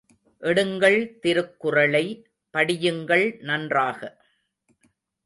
எடுங்கள் திருக்குறளை, படியுங்கள் நன்றாக.